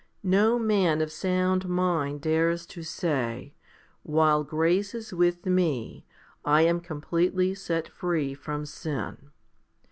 No man of sound mind dares to say, "While grace is with me, I am completely set free from sin."